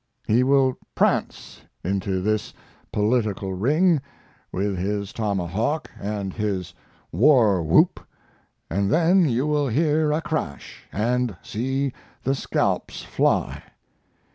He will prance into this political ring with his tomahawk and his war whoop, and then you will hear a crash and see the scalps fly.